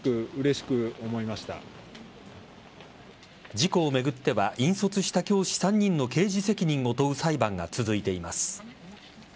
事故を巡っては引率した教師３人の刑事責任を問う裁判が続いています。